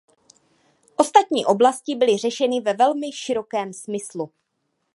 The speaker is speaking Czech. Ostatní oblasti byly řešeny ve velmi širokém smyslu.